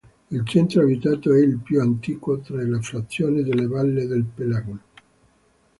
Il centro abitato è il più antico tra le frazioni della valle del Pelago.